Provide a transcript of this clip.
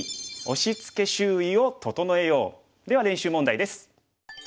では練習問題です。